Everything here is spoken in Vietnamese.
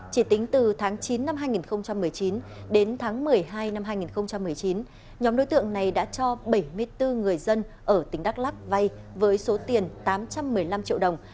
chỉ tính từ tháng chín năm hai nghìn một mươi chín đến tháng một mươi hai năm hai nghìn một mươi chín nhóm đối tượng này đã cho bảy mươi bốn người dân ở tỉnh đắk lắc vay với số tiền tám trăm một mươi năm triệu đồng